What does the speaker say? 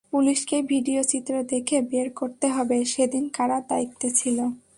পুলিশকেই video চিত্র দেখে বের করতে হবে, সেদিন কারা দায়িত্বে ছিল।